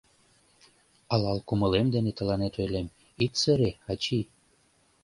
Алал кумылем дене тыланет ойлем, ит сыре, ачий.